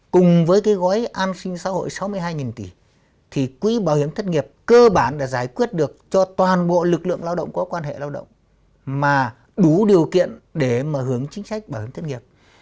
cùng với cái gói an sinh xã hội sáu mươi hai tỷ thì quỹ bảo hiểm thất nghiệp cơ bản đã giải quyết được cho toàn bộ lực lượng lao động có quan hệ lao động mà đủ điều kiện để mà hưởng chính sách bảo hiểm thất nghiệp